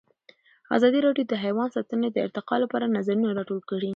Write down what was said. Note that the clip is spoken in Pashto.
ازادي راډیو د حیوان ساتنه د ارتقا لپاره نظرونه راټول کړي.